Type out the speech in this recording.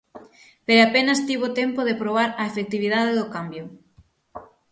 Pero apenas tivo tempo de probar a efectividade do cambio.